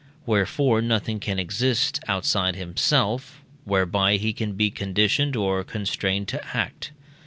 Wherefore nothing can exist; outside himself, whereby he can be conditioned or constrained to act.